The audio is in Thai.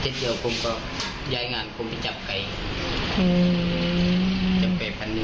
เดี๋ยวผมก็ย้ายงานผมไปจับไปจับไปฟันนิวัล